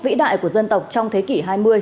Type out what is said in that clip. vĩ đại của dân tộc trong thế kỷ hai mươi